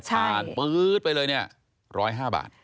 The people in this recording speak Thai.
ผ่านปื๊ดไปเลยเนี่ย๑๐๕บาท